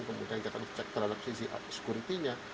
kemudian kita melakukan cek terhadap sisi sekuritinya